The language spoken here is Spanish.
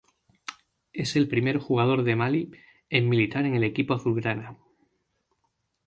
Es el primer jugador de Malí en militar en el equipo azulgrana.